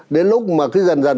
đến lúc mà cứ dần dần